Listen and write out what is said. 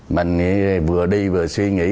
mình vừa đi vừa suy nghĩ